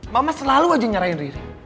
mama selalu aja nyerahin diri